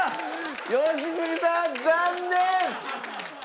良純さん残念！